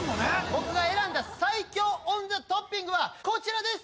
僕が選んだ最強オンザトッピングはこちらです